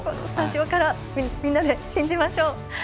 スタジオからみんなで信じましょう。